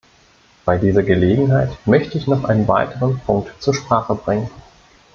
Bei dieser Gelegenheit möchte ich noch einen weiteren Punkt zur Sprache zu bringen.